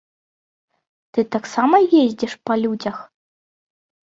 Ты таксама ездзіш па людзях?